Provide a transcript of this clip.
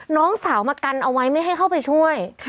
น้องสาวมากันเอาไว้ไม่ให้เข้าไปช่วย